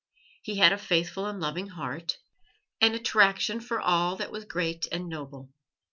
He had a faithful and loving heart, an attraction for all that was great and noble.